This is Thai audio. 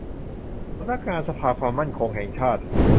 สำนักงานสภาความมั่นคงแห่งชาติ